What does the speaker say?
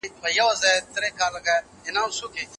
شاګرد د استاد مشوره په پام کي نیسي.